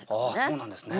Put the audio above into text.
そうなんですね。